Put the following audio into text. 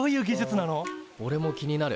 おれも気になる。